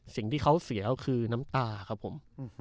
สิ่งที่เขาเสียก็คือน้ำตาครับผม